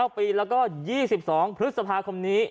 ๙ปีแล้วก็๒๒พฤษภาคมนี้